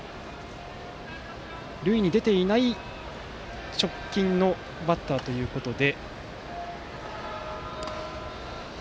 塁に出ていない直近のバッターということで。